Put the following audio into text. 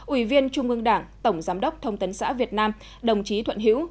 ủy viên trung ương đảng tổng giám đốc thông tấn xã việt nam đồng chí thuận hữu